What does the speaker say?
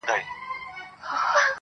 چرته نه کار، هلته څه کار.